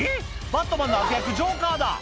『バットマン』の悪役ジョーカーだ！